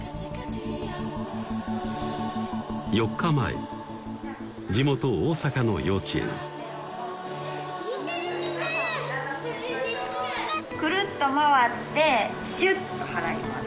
４日前地元・大阪の幼稚園くるっと回ってしゅっと払います